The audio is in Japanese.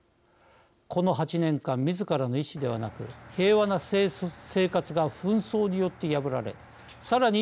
この８年間みずからの意志ではなく平和な生活が紛争によって破られさらに